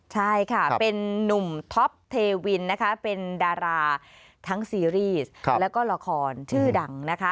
ใช่ค่ะเป็นนุ่มท็อปเทวินนะคะเป็นดาราทั้งซีรีส์แล้วก็ละครชื่อดังนะคะ